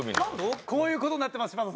こういう事になってます